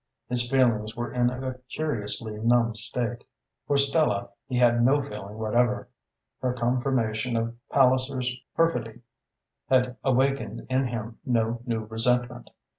His feelings were in a curiously numb state. For Stella he had no feeling whatever. Her confirmation of Palliser's perfidy had awakened in him no new resentment.